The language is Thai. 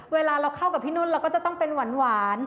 เวลาเราเข้ากับพี่นุ่นเราก็จะต้องเป็นหวาน